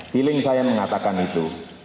feeling saya mengatakan itu